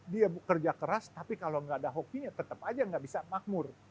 dia bekerja keras tapi kalau nggak ada hokinya tetap aja nggak bisa makmur